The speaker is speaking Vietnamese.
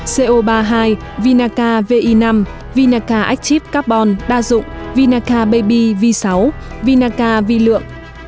co ba mươi hai vinaca vi năm vinaca active carbon đa dụng vinaca baby v sáu vinaca vi lượng